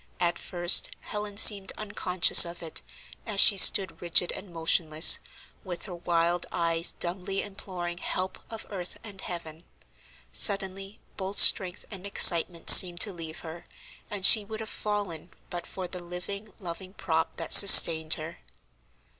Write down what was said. At first, Helen seemed unconscious of it, as she stood rigid and motionless, with her wild eyes dumbly imploring help of earth and heaven. Suddenly both strength and excitement seemed to leave her, and she would have fallen but for the living, loving prop that sustained her.